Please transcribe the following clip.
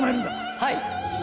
はい！